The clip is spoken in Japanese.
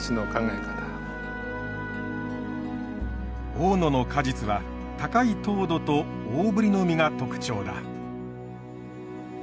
大野の果実は高い糖度と大ぶりの実が特徴だ。